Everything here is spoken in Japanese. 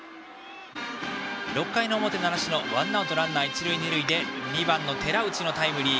６回の表、習志野ワンアウトランナー、一塁二塁で２番の寺内のタイムリー。